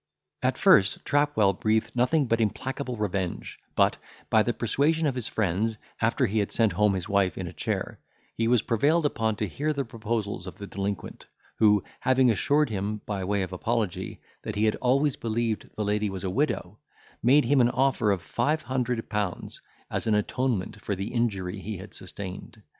At first Trapwell breathed nothing but implacable revenge, but, by the persuasion of his friends, after he had sent home his wife in a chair, he was prevailed upon to hear the proposals of the delinquent, who having assured him, by way of apology, that he had always believed the lady was a widow, made him an offer of five hundred pounds, as an atonement for the injury he had sustained.